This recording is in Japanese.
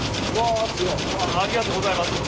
ありがとうございます。